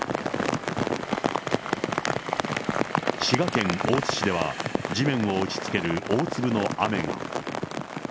滋賀県大津市では、地面を打ちつける大粒の雨が。